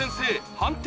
判定